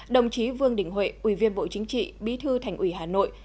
đồng chí vương đình huệ ủy viên bộ chính trị bí thư thành ủy hà nội